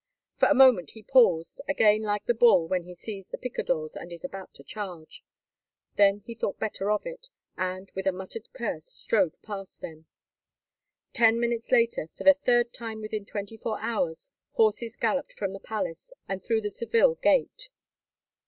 For a moment he paused, again like the bull when he sees the picadors and is about to charge. Then he thought better of it, and, with a muttered curse, strode past them. Ten minutes later, for the third time within twenty four hours, horses galloped from the palace and through the Seville gate.